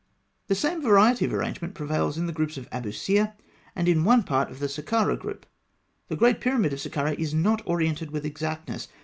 ] The same variety of arrangement prevails in the groups of Abûsîr, and in one part of the Sakkarah group. The great pyramid of Sakkarah is not oriented with exactness.